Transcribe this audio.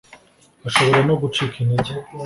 ashobora no gucika intege